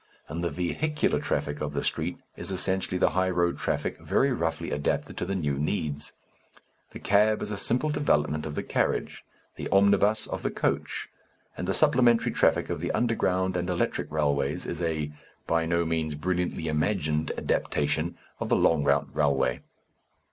And the vehicular traffic of the street is essentially the high road traffic very roughly adapted to the new needs. The cab is a simple development of the carriage, the omnibus of the coach, and the supplementary traffic of the underground and electric railways is a by no means brilliantly imagined adaptation of the long route railway.